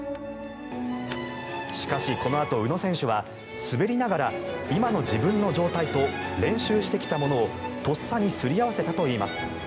しかし、このあと宇野選手は滑りながら今の自分の状態と練習してきたものを、とっさにすり合わせたといいます。